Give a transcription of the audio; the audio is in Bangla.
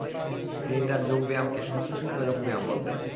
তিনি তার যোগব্যায়ামকে সংশ্লেষণের যোগব্যায়াম বলতেন।